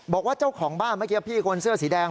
บอกว่าเจ้าของบ้านเมื่อกี้พี่คนเสื้อสีแดง